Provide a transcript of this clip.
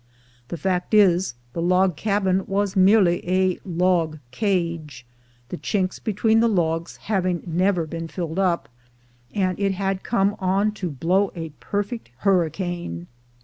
The fact is, the log cabin was merely a log cage, the chinks be tween the logs having never been filled up, and it had come on to blow a perfect hurricane.